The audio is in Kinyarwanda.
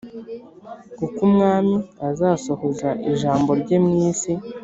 kuko Umwami azasohoza ijambo rye mu isi